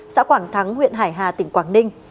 xã quảng thắng huyện hải hà tỉnh quảng ninh